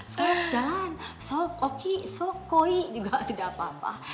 sok jalan sok oki sok koi juga tidak apa apa